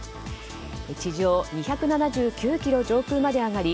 地上２７９ｋｍ上空まで上がり